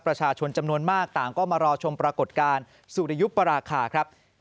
ประชาชนจำนวนมากต่างก็มารอชมปรากฏการณ์สุริยุปราคาครับ